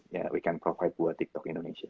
ya we can provide buat tiktok indonesia